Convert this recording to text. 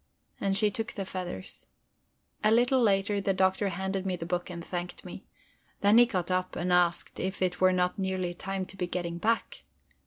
And she took the feathers. A little later the Doctor handed me the book and thanked me. Then he got up and asked if it were not nearly time to be getting back.